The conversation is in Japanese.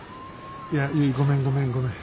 いやゆいごめんごめんごめん。